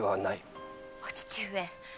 お父上。